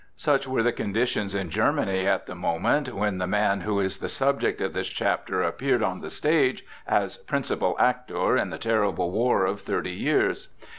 Such were the conditions in Germany at the moment when the man who is the subject of this chapter appeared on the stage as principal actor in the terrible war of thirty years.